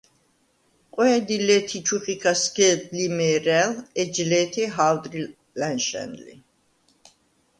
ყვე̄დი ლე̄თ ი ჩუხიქა სგელდ ლიმე̄რა̄̈ლ ეჯ ლე̄თი ჰა̄ვდრი ლა̈ნშა̈ნ ლი.